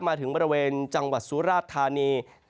มาถึงบริเวณจังหวัดสุราชธานี